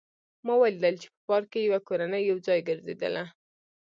ما ولیدل چې په پارک کې یوه کورنۍ یو ځای ګرځېدله